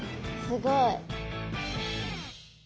すごい。